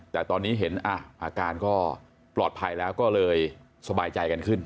แต่ตอนนี้เห็นอาการก็ปลอดภัยแล้วก็เลยสบายใจกันขึ้น